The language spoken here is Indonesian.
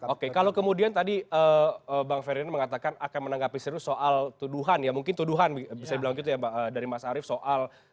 oke kalau kemudian tadi bang ferdinand mengatakan akan menanggapi serius soal tuduhan ya mungkin tuduhan bisa dibilang gitu ya mbak dari mas arief soal